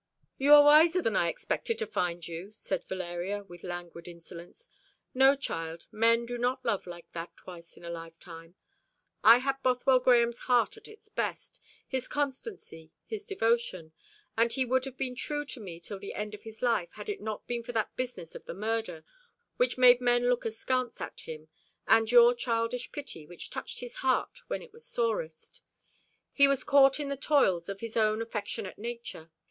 "You are wiser than I expected to find you," said Valeria, with languid insolence. "No, child, men do not love like that twice in a lifetime. I had Bothwell Grahame's heart at its best his constancy, his devotion and he would have been true to me till the end of his life had it not been for that business of the murder, which made men look askance at him, and your childish pity, which touched his heart when it was sorest. He was caught in the toils of his own affectionate nature.